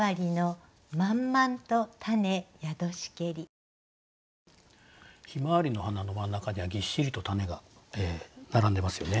向日葵の花の真ん中にはぎっしりと種が並んでますよね。